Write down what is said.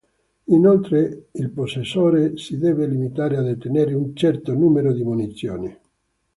Inoltre il possessore si deve limitare a detenere un certo numero di munizioni.